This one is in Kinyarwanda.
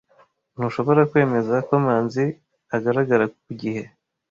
Ntushobora kwemeza ko Manzi agaragara ku gihe?